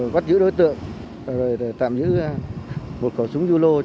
bắt giữ đối tượng tạm giữ một khẩu súng dư lô